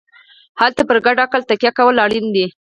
هلته پر ګډ عقل تکیه کول اړین دي.